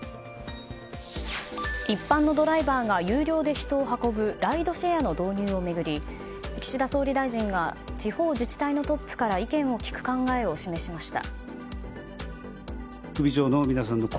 一般のドライバーが有料で人を運ぶライドシェアの導入を巡り岸田総理大臣が地方自治体のトップから意見を聞く考えを示しました。